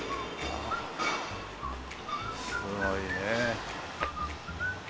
すごいね。